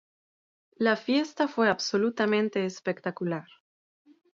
La fiesta fue absolutamente espectacular.